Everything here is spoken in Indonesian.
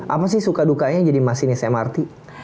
apa sih suka dukanya jadi masinis mrt